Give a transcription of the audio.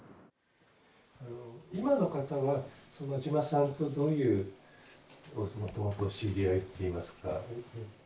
今の方は馬島さんとどういうもともとお知り合いっていいますか。